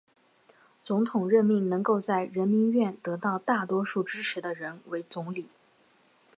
总统任命能够在人民院得到大多数支持的人为总理。